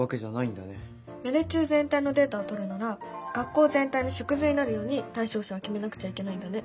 芽出中全体のデータをとるなら学校全体の縮図になるように対象者を決めなくちゃいけないんだね。